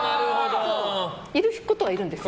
いることはいるんですよ。